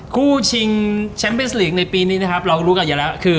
คู่ชิงแชมเปนลิกในปีนี้เรารู้กันเยอะแล้ว